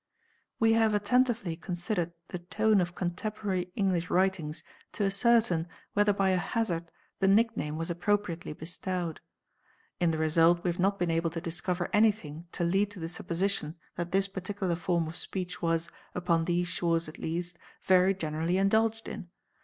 " We have attentively considered the tone of contemporary English writings to ascertain whether by a hazard the nickname was appropriately bestowed. In the result we have not been able to discover anything to lead to the supposition that this particular form of speech was, upon these shores at least, very generally indulged in.